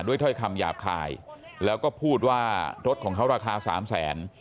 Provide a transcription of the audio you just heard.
ถ้อยคำหยาบคายแล้วก็พูดว่ารถของเขาราคาสามแสน